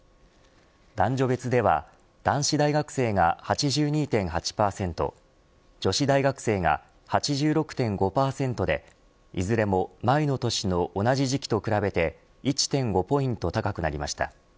男女別では男子大学生が８２．８％女子大学生が８６．５％でいずれも前の年の同じ時期と比べて１．５ポイント高くなりました。